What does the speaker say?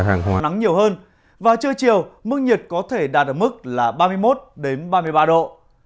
càng hoa nắng nhiều hơn và trưa chiều mức nhiệt có thể đạt được mức là ba mươi một đến ba mươi ba độ